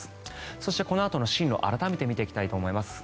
そして、このあと進路改めて見ていきたいと思います。